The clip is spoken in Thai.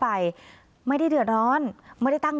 พี่ยืดลายมาพอก็ถูกแล้วก็ถูก